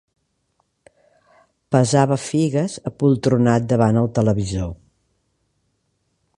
Pesava figues apoltronat davant el televisor.